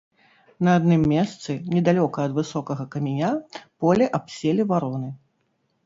На адным месцы, недалёка ад высокага каменя, поле абселі вароны.